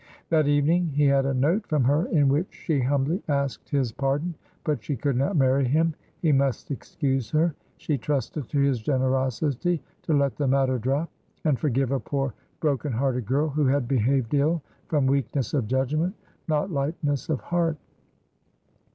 That evening he had a note from her in which "she humbly asked his pardon, but she could not marry him; he must excuse her. She trusted to his generosity to let the matter drop, and forgive a poor brokenhearted girl who had behaved ill from weakness of judgment, not lightness of heart."